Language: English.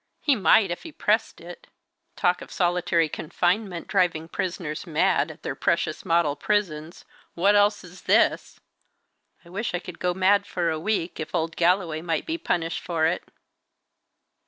He might, if he pressed it! Talk of solitary confinement driving prisoners mad, at their precious model prisons, what else is this? I wish I could go mad for a week, if old Galloway might be punished for it!